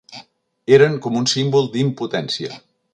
Eren com un símbol d'impotència